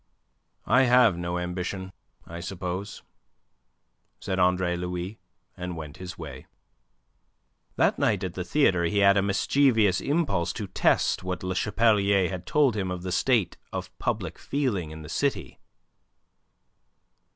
"I have no ambition, I suppose," said Andre Louis, and went his way. That night at the theatre he had a mischievous impulse to test what Le Chapelier had told him of the state of public feeling in the city.